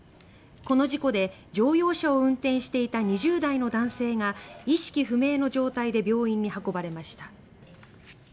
この事故で乗用車を運転していた２０代の男性が意識不明の状態で病院に運ばれました。